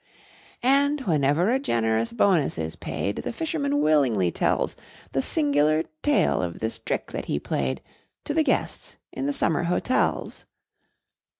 And, whenever a generous bonus is paid, The fisherman willingly tells The singular tale of this trick that he played, To the guests in the summer hotels.